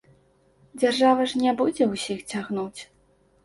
Дзяржава ж не будзе ўсіх цягнуць.